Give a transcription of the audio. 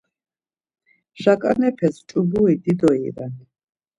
Raǩanepes ç̌ubri dido iven.